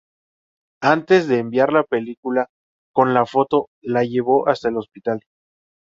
Antes de enviar la película con la foto la llevó hasta el hospital.